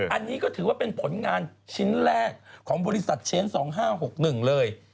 อันนี้ก็ถือว่าเป็นผลงานชิ้นแรกของบริษัทเชน๒๕๖๑เลย